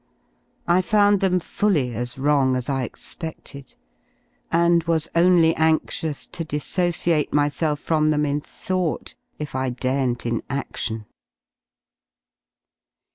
I found them fully as wrong as j I expeded, and was only anxious to dissociate myself from I them in though t^ if I daren't inL^ftion.